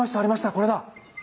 これだ！